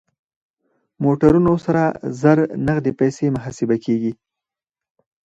موټرونه سره زر نغدې پيسې محاسبه کېږي.